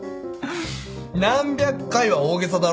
何百回は大げさだろ。